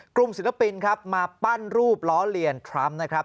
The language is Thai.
ศิลปินครับมาปั้นรูปล้อเลียนทรัมป์นะครับ